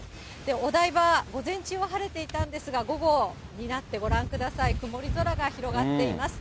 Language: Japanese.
お台場、午前中は晴れていたんですが、午後になって、ご覧ください、曇り空が広がっています。